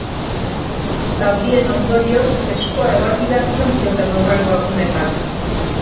Zaurien ondorioz eskua ebaki behar izan zioten hurrengo egunetan.